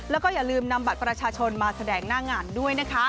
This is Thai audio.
แล้วก็อย่าลืมนำบัตรประชาชนมาแสดงหน้างานด้วยนะคะ